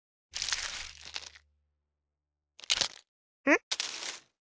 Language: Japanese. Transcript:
ん？